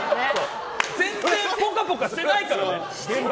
全然ぽかぽかしてないからね！